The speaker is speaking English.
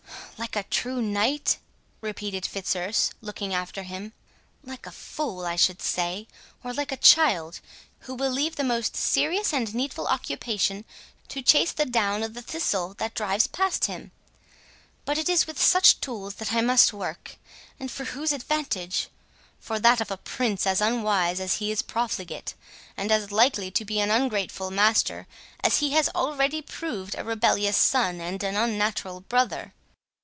"Like a true knight?" repeated Fitzurse, looking after him; "like a fool, I should say, or like a child, who will leave the most serious and needful occupation, to chase the down of the thistle that drives past him.—But it is with such tools that I must work;—and for whose advantage?—For that of a Prince as unwise as he is profligate, and as likely to be an ungrateful master as he has already proved a rebellious son and an unnatural brother.